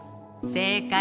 正解！